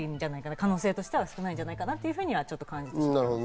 可能性としては少ないんじゃないかなと感じています。